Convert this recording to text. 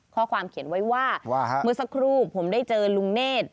ข้อความเขียนไว้ว่าเมื่อสักครู่ผมได้เจอลุงเนธ